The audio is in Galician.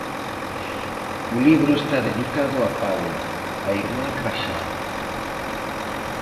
O libro está dedicado a Paula, a irmá paxaro.